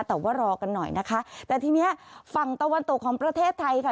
แต่ว่ารอกันหน่อยนะคะแต่ทีนี้ฝั่งตะวันตกของประเทศไทยค่ะ